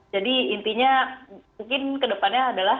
jadi intinya mungkin kedepannya adalah